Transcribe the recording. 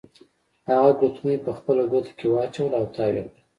هغه ګوتمۍ په خپله ګوته کې واچوله او تاو یې کړه.